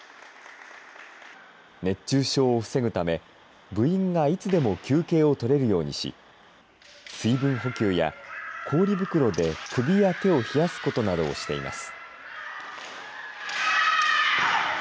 熱中症を防ぐため、部員がいつでも休憩をとれるようにし、水分補給や氷袋で首や手を冷やすことなどをしています。